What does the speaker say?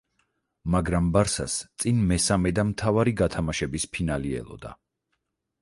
მაგრამ „ბარსას“ წინ მესამე და მთავარი გათამაშების ფინალი ელოდა.